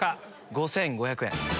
５５００円。